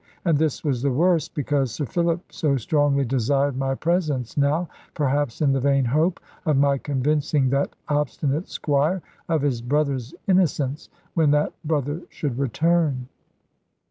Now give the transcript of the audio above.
And this was the worse, because Sir Philip so strongly desired my presence now, perhaps in the vain hope of my convincing that obstinate Squire of his brother's innocence, when that brother should return.